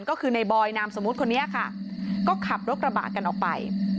ก็คือในบอยนามสมมุติคนนี้ค่ะก็ขับรถกระบะกันออกไป